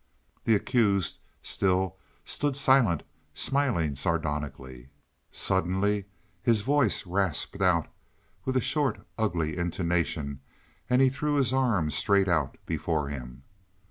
The accused still stood silent, smiling sardonically. Suddenly his voice rasped out with a short, ugly intonation and he threw his arms straight out before him.